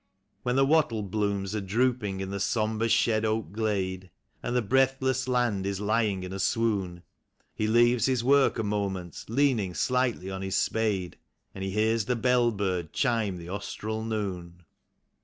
"When the wattle blooms are drooping in the sombre shed oak glade, And the breathless land is lying in a swoon, He leaves his work a moment, leaning lightly on his spade. And he hears the bell bird chime the Austral noon.